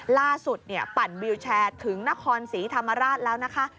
ล่าสุดปั่นวิวแชร์ถึงนครศรีธรรมราชแล้วนะคะ